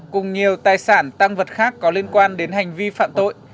cùng nhiều tài sản tăng vật khác có liên quan đến hành vi phạm tội